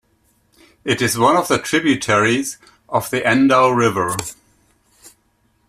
It is one of the tributaries of the Endau River.